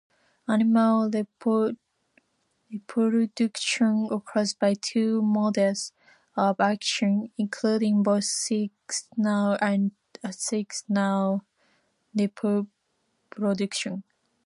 Animal reproduction occurs by two modes of action, including both sexual and asexual reproduction.